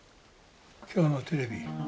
今日のテレビ。